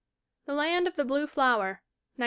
The Land of the Blue Flower, 1916.